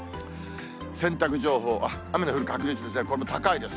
洗濯情報は、雨の降る確率、どこも高いです。